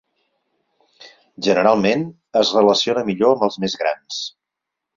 Generalment, es relaciona millor amb els més grans.